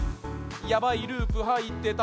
やばいループはいってた